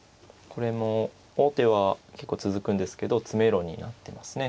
これも王手は結構続くんですけど詰めろになってますね